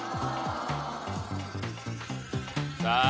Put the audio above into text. さあ